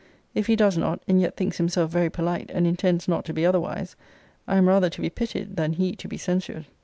If he does not, and yet thinks himself very polite, and intends not to be otherwise, I am rather to be pitied, than he to be censured.